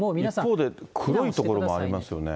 一方で黒い所もありますよね。